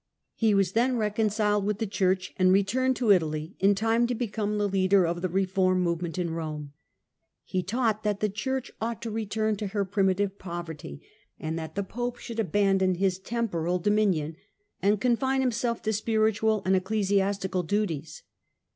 He was then reconciled with the Church and returned to Italy in time to become the leader of the reform movement in Rome. He taught that the Church ought to return to her primitive poverty and that the Pope should abandon his temporal dominion, and confine himself to spiritual and ecclesiastical duties.